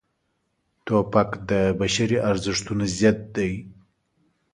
توپک د بشري ارزښتونو ضد دی.